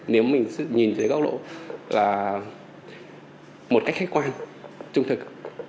nếu mình nhìn dưới góc độ là một cách khách quan trung thực